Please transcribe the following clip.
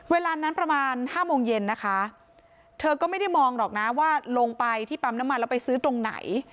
เวลานั้นประมาณห้าโมงเย็นนะคะเธอก็ไม่ได้มองหรอกนะว่าลงไปที่ปั๊มน้ำมันแล้วไปซื้อตรงไหน